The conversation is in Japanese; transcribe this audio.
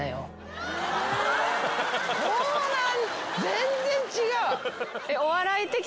全然違う。